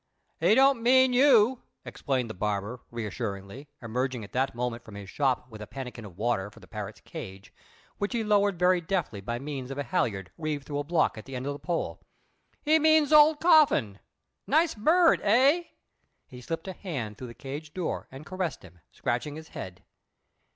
"He don't mean you," explained the barber, reassuringly, emerging at that moment from his shop with a pannikin of water for the parrot's cage, which he lowered very deftly by means of a halliard reeved through a block at the end of the pole. "He means old Coffin. Nice bird, hey?" He slipped a hand through the cage door, and caressed him, scratching his head.